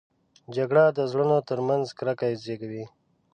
جګړه د زړونو تر منځ کرکه زېږوي